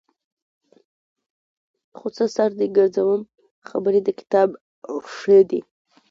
خو څه سر دې ګرځوم خبرې د کتاب ښې دي.